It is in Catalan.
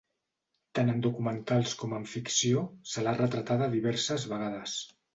Tant en documentals com en ficció, se l'ha retratada diverses vegades.